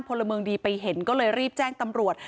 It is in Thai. พลเมืองดีไปเห็นก็เลยรีบแจ้งตำรวจ